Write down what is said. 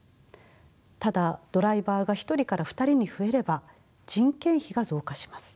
ただドライバーが１人から２人に増えれば人件費が増加します。